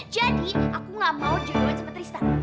jadi aku gak mau jodohan sama tristan